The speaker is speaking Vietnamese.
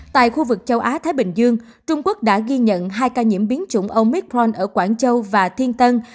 tại khu vực châu á thái bình dương trung quốc đã ghi nhận hai ca nhiễm biến chủng omicron ở quảng châu và thiên tân